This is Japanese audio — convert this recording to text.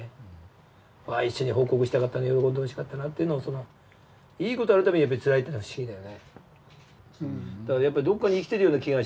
一緒に報告したかったな喜んでほしかったなというのはいい事ある度にやっぱりつらいっていうのは不思議だよね。